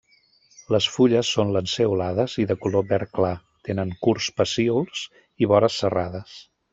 Les fulles són lanceolades i de color verd clar, tenen curts pecíols i vores serrades.